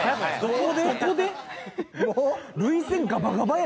ここで？